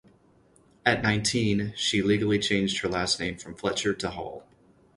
At nineteen, she legally changed her last name from Fletcher to Hall.